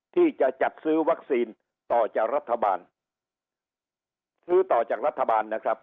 ที่จะจัดซื้อวัคซีนต่อจากรัฐบาลซื้อต่อจากรัฐบาลนะครับ